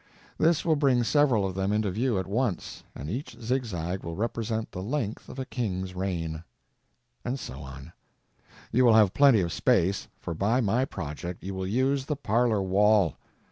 This will bring several of them into view at once, and each zigzag will represent the length of a king's reign. And so on. You will have plenty of space, for by my project you will use the parlor wall.